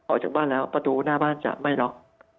ออกจากบ้านแล้วประตูหน้าบ้านจะไม่ล็อก